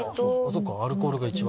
そうかアルコールが一番。